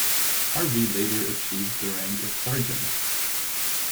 Harvey later achieved the rank of sergeant.